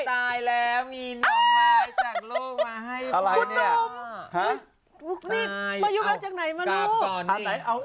คุณหนุ่มแต่นี้มาอยู่น่ะจากไหนมารู้